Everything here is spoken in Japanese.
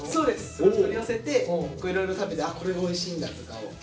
それを取り寄せていろいろ食べて「これおいしいんだ」とかを。